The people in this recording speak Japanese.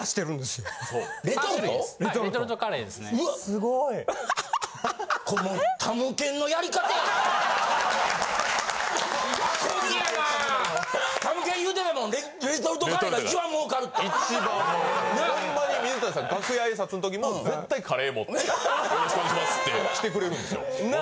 よろしくお願いしますって来てくれるんですよ。